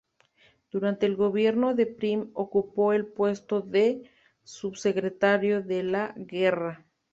Durante el gobierno de Prim ocupó el puesto de Subsecretario de la Guerra.